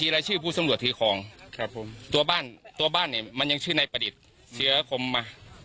ให้แกพาชี้แล้วก็ให้พาไปชี้เจ้า